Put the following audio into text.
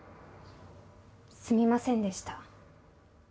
すみませんでした。